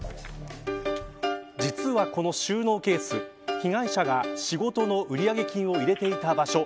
実はこの収納ケース被害者が仕事の売り上げ金を入れていた場所。